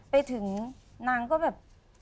ไปถึงนางก็แบบ